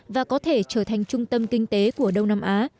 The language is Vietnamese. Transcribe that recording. và có thể trở thành trung tâm kinh tế của đông nam á